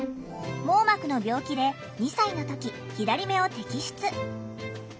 網膜の病気で２歳の時左目を摘出。